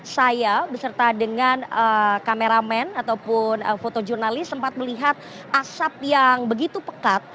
saya beserta dengan kameramen ataupun fotojurnalis sempat melihat asap yang begitu pekat